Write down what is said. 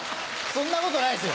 そんなことないです